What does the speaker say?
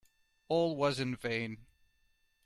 All was in vain.